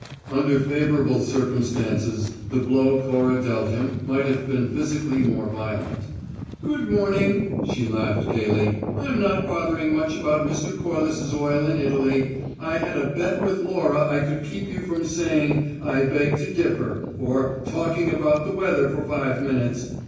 Under favourable circumstances the blow Cora dealt him might have been physically more violent. "Good morning," she laughed, gayly. "I'm not bothering much about Mr. Corliss's oil in Italy. I had a bet with Laura I could keep you from saying `I beg to differ,' or talking about the weather for five minutes.